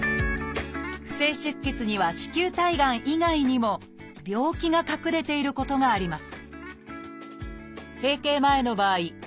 不正出血には子宮体がん以外にも病気が隠れていることがあります